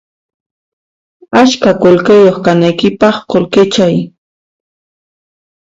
Askha qullqiyuq kanaykipaq qullqichay